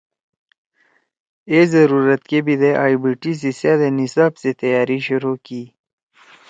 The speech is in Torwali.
اے ضرورت کے بیِدے آئی بی ٹی سی سأدے نصاب سی تیاری شروع کی۔